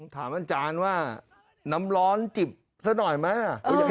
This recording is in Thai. ถามอาจารย์ว่าน้ำร้อนจิบซะหน่อยไหม